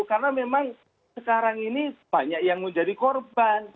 karena memang sekarang ini banyak yang menjadi korban